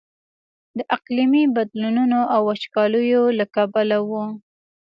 د اقلیمي بدلونونو او وچکاليو له کبله و.